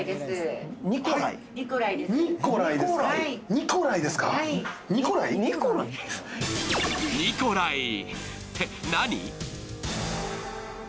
ニコライって何？